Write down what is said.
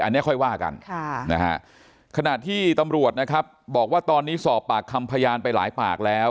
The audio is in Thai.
อันนี้ค่อยว่ากันขณะที่ตำรวจนะครับบอกว่าตอนนี้สอบปากคำพยานไปหลายปากแล้ว